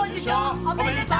おめでとう。